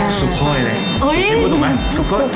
พี่ก็คือสุโภย